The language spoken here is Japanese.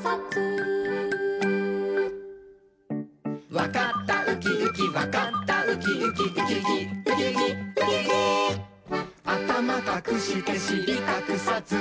「わかったウキウキわかったウキウキ」「ウキウキウキウキウキウキ」「あたまかくしてしりかくさず」